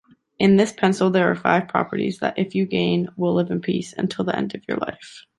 in this pencil there are five properties that if you gain, will live in peace until the end of your life